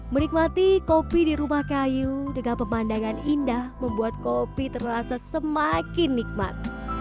menikmati kopi di rumah kayu dengan pemandangan indah membuat kopi terasa semakin nikmat